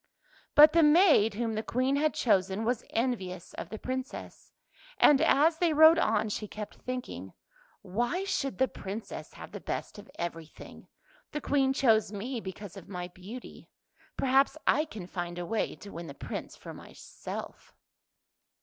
But the maid, whom the Queen had chosen, was envious of the Princess, and as they rode on she kept thinking, " Why should the Princess have the best of every thing? The Queen chose me because of my beauty; perhaps I can find a way to win the Prince for myself."